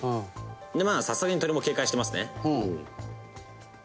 「まあさすがに鳥も警戒してますね」